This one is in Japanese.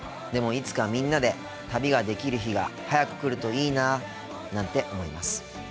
でもいつかみんなで旅ができる日が早く来るといいなあなんて思います。